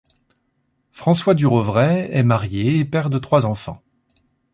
François Durovray est marié et père de trois enfants.